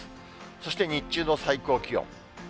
そして日中の最高気温。